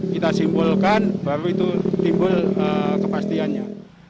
kita simpulkan baru itu timbul kepastiannya